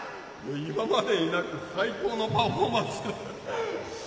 今までになく、最高のパフォーマンスです。